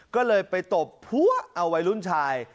ก็เลยไปตบพัวเอาวัยรุ่นชาย